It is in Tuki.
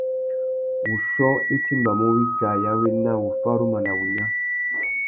Wuchiô i timbamú wikā ya wena, wuffaruma na wunya.